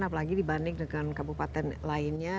apalagi dibandingkan kabupaten lainnya